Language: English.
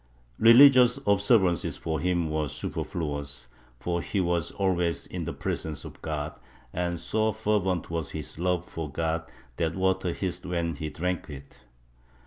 Religious observances for him were super fluous, for he was always in the presence of God, and so fervent was his love for God that water hissed when he drank it.